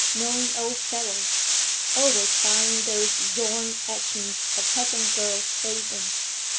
Knowing old fellow. Always buying those Zorn etchings of peasant girls bathing.